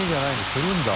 釣るんだ。